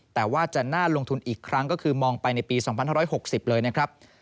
แต่ว่าจะน่าลงทุนอีกครั้งก็คือมองไปในปี๒๕๖๐เลยนะครับ